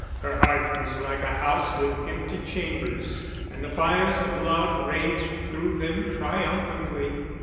Her heart was like a house with empty chambers, and the fires of love raged through them triumphantly.